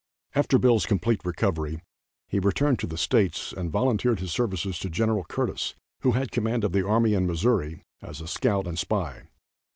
After Bill's complete recovery he returned to the states and volunteered his services to Gen. Curtis, who had command of the army in Missouri, as a scout and spy.